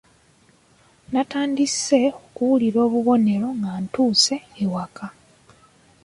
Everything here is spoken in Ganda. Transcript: Natandise okuwulira obubonero nga ntuuse ewaka.